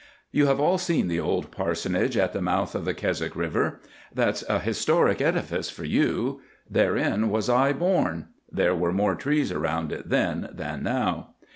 "You have all seen the old parsonage at the mouth of the Keswick River. That's a historic edifice for you! Therein was I born. There were more trees around it then than now.